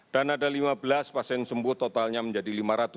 dan ada lima belas pasien sembuh totalnya menjadi lima ratus tiga puluh lima